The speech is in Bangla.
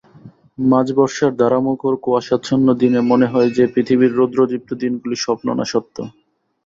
মাঝ-বর্ষার ধারামুখর কুয়াশাচ্ছন্ন দিনে মনে হয় যে পৃথিবীর রৌদ্রদীপ্ত দিনগুলো স্বপ্ন না সত্য?